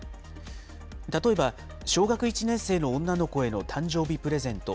例えば、小学１年生の女の子への誕生日プレゼント。